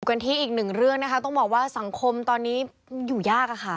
กันที่อีกหนึ่งเรื่องนะคะต้องบอกว่าสังคมตอนนี้อยู่ยากอะค่ะ